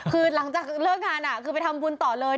คือหลังจากเลิกงานคือไปทำบุญต่อเลย